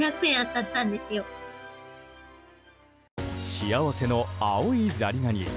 幸せの青いザリガニ。